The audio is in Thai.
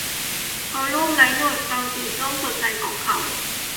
เขาลูบไล้หนวดเคราสีส้มสดใสของเขา